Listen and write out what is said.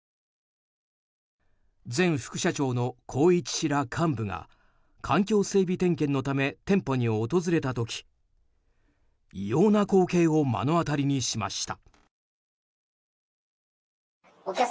前副社長の宏一氏ら幹部が環境整備点検のため店舗に訪れた時、異様な光景を目の当たりにしました。